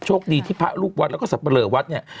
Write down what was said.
คดีที่พระลูกวัดแล้วก็สับปะเลอวัดเนี่ย